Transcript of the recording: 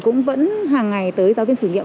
cũng vẫn hàng ngày tới giáo viên sử nghiệm